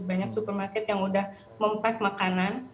banyak supermarket yang udah mempack makanan